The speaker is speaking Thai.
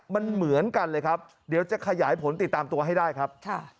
มันเหมือนกันเลยครับเดี๋ยวจะขยายผลติดตามตัวให้ได้ครับ